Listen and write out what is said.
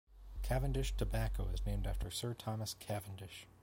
Cavendish tobacco is named after Sir Thomas Cavendish.